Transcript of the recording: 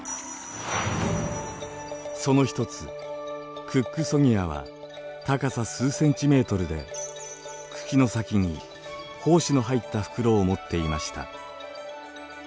その一つクックソニアは高さ数センチメートルで茎の先に胞子の入った袋を持っていました。